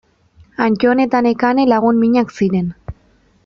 Antton eta Nekane lagun minak ziren.